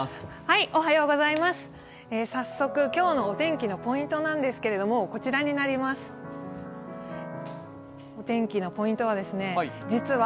早速、今日のお天気のポイントなんですけれども、こちらになります、お天気のポイントは実は